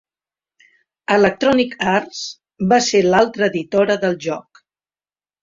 Electronic Arts va ser l'altra editora del joc.